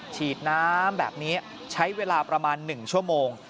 ฉีดน้ำแบบนี้ใช้เวลาประมาณ๑ชั่วโมง